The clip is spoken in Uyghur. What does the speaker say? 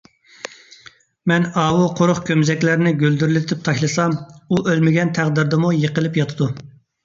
مەن ئاۋۇ قۇرۇق كومزەكلەرنى گۈلدۈرلىتىپ تاشلىسام، ئۇ ئۆلمىگەن تەقدىردىمۇ يىقىلىپ ياتىدۇ.